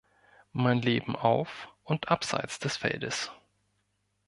Mein Leben auf und abseits des Feldes.